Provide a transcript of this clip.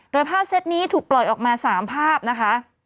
โดยภาพเซ็ตนี้ถูกปล่อยออกมา๓ภาพนะคะ